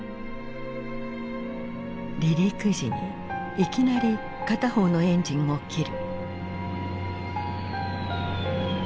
離陸時にいきなり片方のエンジンを切る。